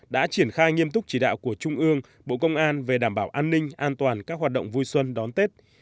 đã triển khai nghiêm túc chỉ đạo của trung ương bộ công an về đảm bảo an ninh an toàn các hoạt động vui xuân đón tết